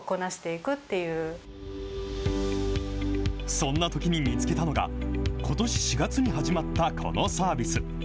そんなときに見つけたのが、ことし４月に始まったこのサービス。